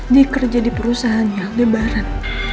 dikerja di perusahaan yang lebah